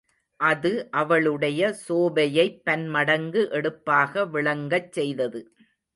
அது அவளுடைய சோபையைப் பன்மடங்கு எடுப்பாக விளங்கச் செய்தது.